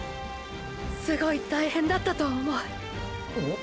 すごい大変だったと思う。！